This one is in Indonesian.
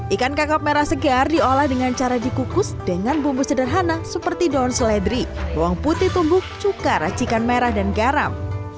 ikan kakap merah segar diolah dengan cara dikukus dengan bumbu sederhana seperti daun seledri bawang putih tumbuk cuka racikan merah dan garam